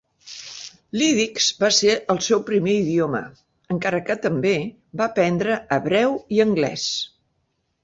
L"ídix va ser el seu primer idioma, encara que també va aprendre hebreu i anglès.